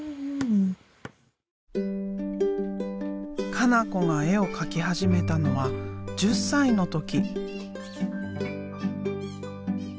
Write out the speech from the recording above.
加那子が絵を描き始めたのは１０歳の時。